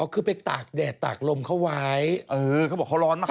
อ๋อคือไปตากแดดตากลมเขาไว้เอะบอกว่าเขาร้อนมาก